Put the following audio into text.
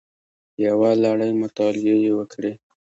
یوه لړۍ مطالعې یې وکړې